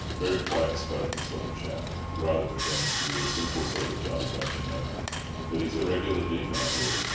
Very quiet spoken sort of chap—rather pretends to be a simple sort of Johnny, don't you know, but he's a regular demon, I believe.